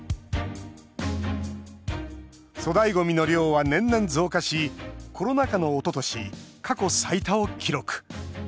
粗大ゴミの量は年々増加しコロナ禍のおととし過去最多を記録。